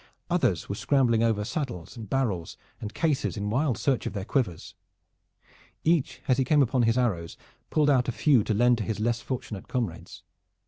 Others were scrambling over saddles, barrels and cases in wild search of their quivers. Each as he came upon his arrows pulled out a few to lend to his less fortunate comrades.